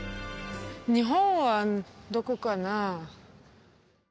日本はどこかな？